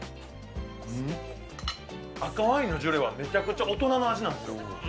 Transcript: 赤ワインのジュレはめちゃくちゃ大人の味なんですよ。